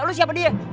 lu siapa dia